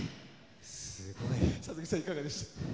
佐々木さん、いかがでした？